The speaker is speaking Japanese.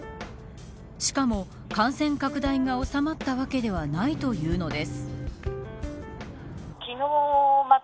しかも、感染拡大が収まったわけではないというのです。